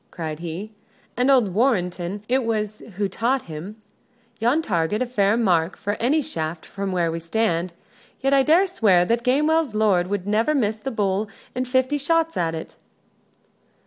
cried he. "And old Warrenton it was who taught him. Yon target is a fair mark for any shaft from where we stand. Yet I dare swear that Gamewell's lord would never miss the bull in fifty shots at it!"